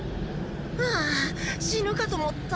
ああ死ぬかと思った。